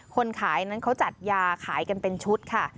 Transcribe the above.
คนขายนั้นเขาจัดยาขายกันเป็นชุดค่ะ